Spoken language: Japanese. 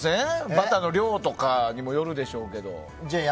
バターの量とかにもよるでしょうけども。